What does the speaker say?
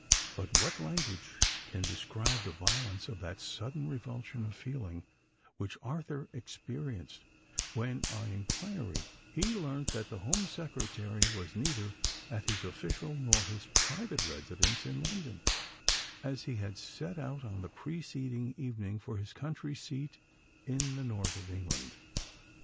But what language can describe the violence of that sudden revulsion of feeling which Arthur experienced, when, on inquiry, he learnt that the Home Secretary was neither at his official nor his private residence in London, as he had set out on the preceding evening for his country seat in the north of England!